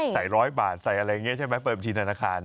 ร้อยบาทใส่อะไรอย่างนี้ใช่ไหมเปิดบัญชีธนาคาร